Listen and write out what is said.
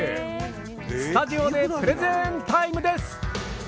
スタジオでプレゼンタイムです！